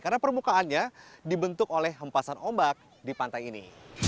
karena permukaannya dibentuk oleh hempasan ombak di pantai ini